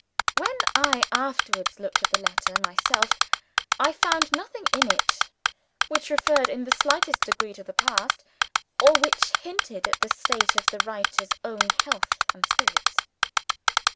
When I afterwards looked at the letter myself, I found nothing in it which referred in the slightest degree to the past, or which hinted at the state of the writer's own health and spirits.